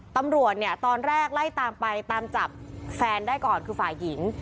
ตำรวจเนี่ยตอนแรกไล่ตามไปตามจับแฟนได้ก่อนคือฝ่ายหญิง